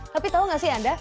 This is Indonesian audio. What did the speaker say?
tapi tau gak sih anda